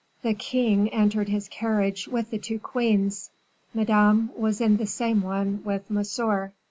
The king entered his carriage with the two queens; Madame was in the same one with Monsieur.